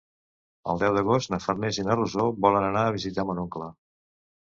El deu d'agost na Farners i na Rosó volen anar a visitar mon oncle.